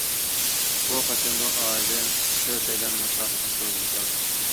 بۇ قېتىم بىر ئائىلىدىن تۆتەيلەن مۇسابىقە كۆرگىلى كەلدۇق.